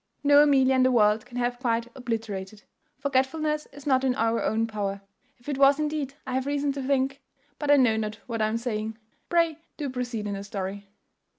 No Amelia in the world can have quite obliterated forgetfulness is not in our own power. If it was, indeed, I have reason to think but I know not what I am saying. Pray do proceed in that story."